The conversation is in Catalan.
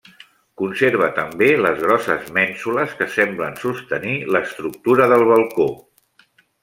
Conserva també les grosses mènsules que semblen sostenir l'estructura del balcó.